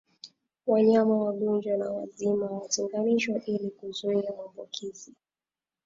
Wanyama wagonjwa na wazima watenganishwe ili kuzuia maambukizi